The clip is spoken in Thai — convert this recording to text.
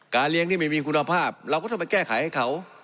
เลี้ยงที่ไม่มีคุณภาพเราก็ต้องไปแก้ไขให้เขา